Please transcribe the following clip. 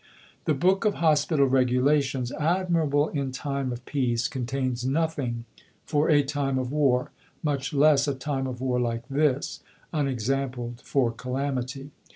The book of Hospital regulations, admirable in time of peace, contains nothing for a time of war, much less a time of war like this, unexampled for calamity.